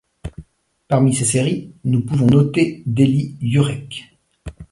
Parmi ces séries, nous pouvons noter Deli Yürek.